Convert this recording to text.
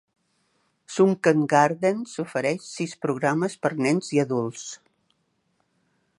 Sunken Gardens ofereix sis programes per nens i adults.